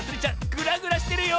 グラグラしてるよ。